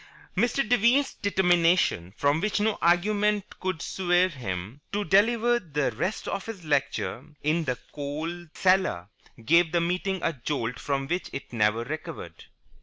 Mr. Devine's determination, from which no argument could swerve him, to deliver the rest of his lecture in the coal cellar gave the meeting a jolt from which it never recovered.